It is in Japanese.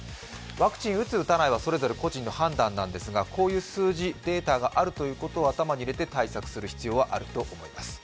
ワクチンを打つ、打たないというのは個人の判断なんですがこういう数字、データがあることを頭に入れて対策する必要はあると思います。